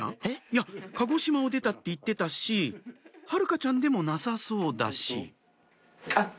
いや鹿児島を出たって言ってたし晴香ちゃんでもなさそうだしあっ